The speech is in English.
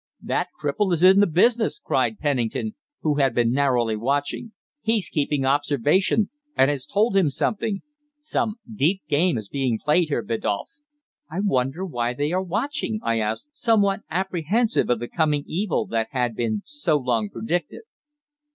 "That cripple is in the business!" cried Pennington, who had been narrowly watching. "He's keeping observation, and has told him something. Some deep game is being played here, Biddulph." "I wonder why they are watching?" I asked, somewhat apprehensive of the coming evil that had been so long predicted.